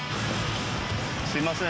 すみません。